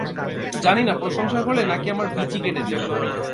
জানি না প্রশংসা করলে, নাকি আমার বিচি কেটে দিলে।